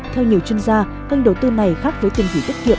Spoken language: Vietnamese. theo nhiều chuyên gia kênh đầu tư này khác với tiền gửi tiết kiệm